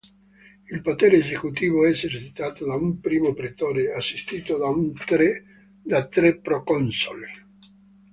Il potere esecutivo è esercitato da un Primo Pretore, assistito da tre Proconsoli.